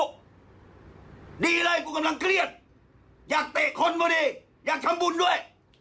ดีเลยกูกำลังเครียดอยากเตะคนพอดีอยากทำบุญด้วย